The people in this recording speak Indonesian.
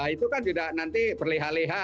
itu kan juga nanti berleha leha